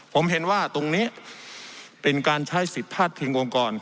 ผมเห็นว่าตรงนี้เป็นการใช้สิทธิ์พาดพิงองค์กร